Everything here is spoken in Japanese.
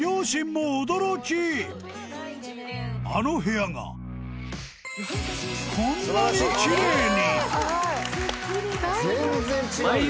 あの部屋がこんなにキレイに！